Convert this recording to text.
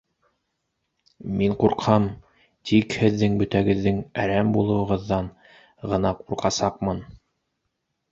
Мин ҡурҡһам, тик һеҙҙең бөтәгеҙҙең әрәм булыуығыҙҙан ғына ҡурҡасаҡмын!